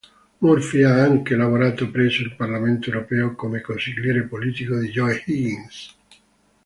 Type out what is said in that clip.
Murphy ha anche lavorato presso il Parlamento Europeo come consigliere politico di Joe Higgins.